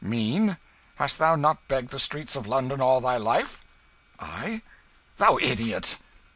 "Mean? Hast thou not begged the streets of London all thy life?" "I? Thou idiot!"